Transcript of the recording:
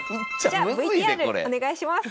じゃあＶＴＲお願いします！